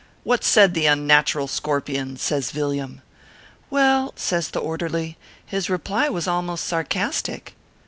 " What said the unnatural scorpion ?" says Villiam. "Well," says the Orderly, "his reply was almost sarcastic."